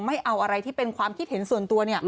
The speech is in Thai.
ไม่เอาอะไรที่เป็นความคิดเห็นส่วนตัว